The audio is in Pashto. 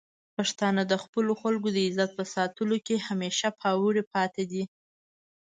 پښتانه د خپلو خلکو د عزت په ساتلو کې همیشه پیاوړي پاتې دي.